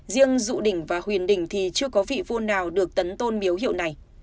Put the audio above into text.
riêng dụ đỉnh và huyền đỉnh thì chưa có vị vua nào được tấn tôn miếu hiệu này